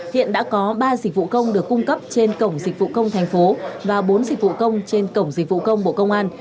hiện đã có ba dịch vụ công được cung cấp trên cổng dịch vụ công thành phố và bốn dịch vụ công trên cổng dịch vụ công bộ công an